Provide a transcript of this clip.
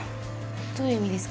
どういう意味ですか？